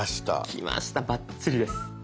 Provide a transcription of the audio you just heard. きましたバッチリです。